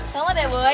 selamat ya boy